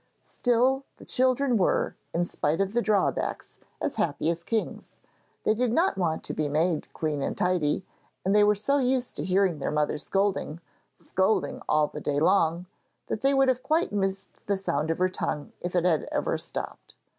Still the children were, in spite of the drawbacks, as happy as kings. They did not want to be made clean and tidy, and they were so used to hearing their mother scolding scolding all the day long that they would have quite missed the sound of her tongue if it had ever stopped.